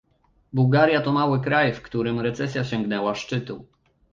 Bułgaria to mały kraj, w którym recesja sięgnęła szczytu